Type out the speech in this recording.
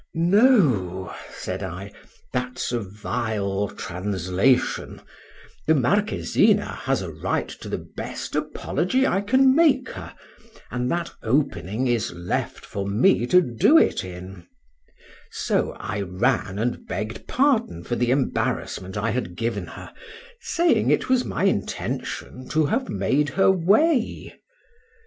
—No, said I—that's a vile translation: the Marquisina has a right to the best apology I can make her, and that opening is left for me to do it in;—so I ran and begg'd pardon for the embarrassment I had given her, saying it was my intention to have made her way.